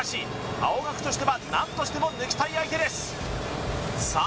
青学としては何としても抜きたい相手ですさあ